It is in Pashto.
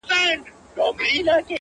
زما گلاب زما سپرليه ـ ستا خبر نه راځي ـ